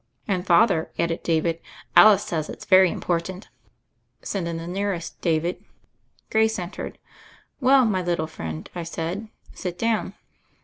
"And, Father," added David, "Alice says it is very important." "Send in the nearest, David." "Well, my little friend," I said, "sit down."